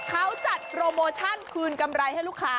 เขาจัดโปรโมชั่นคืนกำไรให้ลูกค้า